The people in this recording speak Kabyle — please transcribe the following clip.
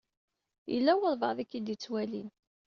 Yella walebɛaḍ i k-id-ittwalin.